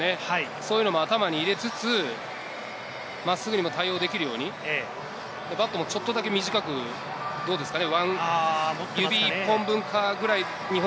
そういうのも頭に入れつつ、真っすぐにも対応できるようにバットもちょっとだけ短く、どうですかね？